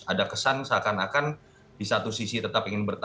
ada kesan seakan akan di satu sisi tetap ingin bertahan